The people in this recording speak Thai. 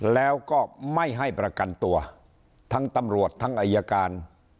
แล้วก็ไม่ให้ประกันตัวทั้งตำรวจทั้งอายการ